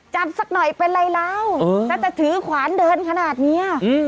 จับสักหน่อยเป็นไรแล้วเออแล้วจะถือขวานเดินขนาดเนี้ยอืม